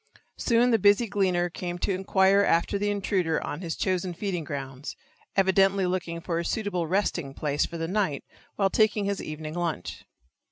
Soon the busy gleaner came to inquire after the intruder on his chosen feeding grounds, evidently looking for a suitable resting place for the night while taking his evening lunch.